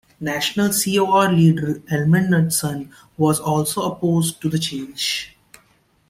National CoR leader Elmer Knutson was also opposed to the change.